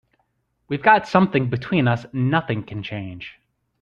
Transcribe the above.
We've got something between us nothing can change.